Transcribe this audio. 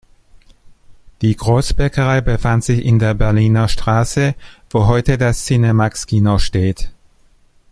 Die Großbäckerei befand sich in der Berliner Straße, wo heute das Cinemaxx-Kino steht.